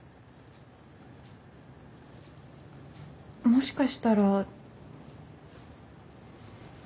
もしかしたら。